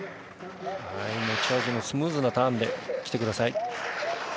持ち味のスムーズなターンで来てください。